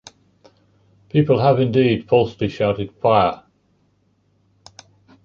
People have indeed falsely shouted Fire!